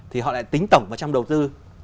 thì họ lại tính tổng vào trong đầu tư